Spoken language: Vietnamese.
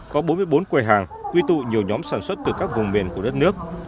có bốn mươi bốn quầy hàng quy tụ nhiều nhóm sản xuất từ các vùng miền của đất nước